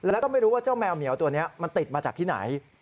แล้วก็ไม่รู้ว่าเจ้าแมวเหมียวตัวนี้มันติดมาจากที่ไหน